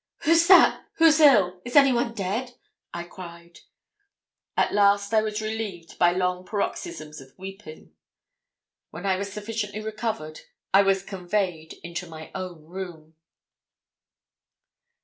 'Who's that who's ill is anyone dead?' I cried. At last I was relieved by long paroxysms of weeping. When I was sufficiently recovered, I was conveyed into my own room.